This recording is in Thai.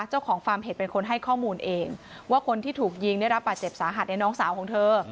ฟาร์มเห็ดเป็นคนให้ข้อมูลเองว่าคนที่ถูกยิงได้รับบาดเจ็บสาหัสในน้องสาวของเธอ